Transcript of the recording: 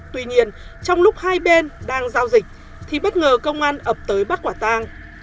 tuy nhiên trong lúc hai bên đang giao dịch thì bất ngờ công an ập tới bắt quả tang